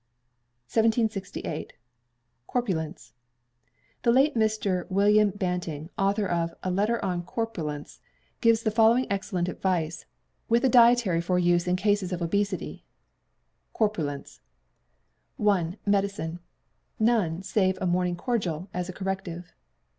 1768. Corpulence. The late Mr. William Banting, author of a "Letter on Corpulence," gives the following excellent advice, with a dietary for use in cases of obesity (corpulence): i. Medicine. None, save a morning cordial, as a corrective.